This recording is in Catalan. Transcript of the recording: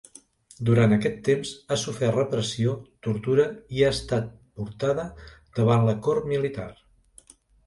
Durant aquest temps ha sofert repressió, tortura i ha estat portada davant la cort militar.